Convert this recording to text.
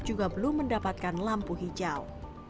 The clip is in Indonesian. juga belum mendapatkan lampu hijau